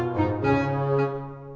gak ada apa apa